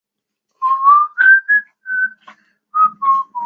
桐人与结依抽丝剥茧下发现白衣少女所指出的地方是东都工业大学。